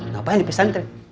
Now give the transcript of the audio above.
ngapain di pesantren